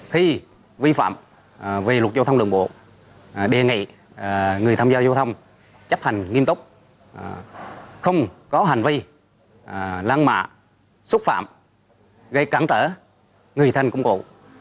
thi vi phạm về luật giao thông lượng bộ đề nghị người tham gia giao thông chấp hành nghiêm túc không có hành vi lăng mạ xúc phạm gây cắn tở người thân công cụ